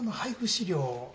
資料